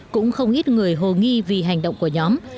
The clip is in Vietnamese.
cũng không ít người hồ nghi vì hành động của nhóm